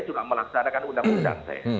saya juga melaksanakan undang undang saya